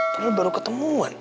tapi baru ketemuan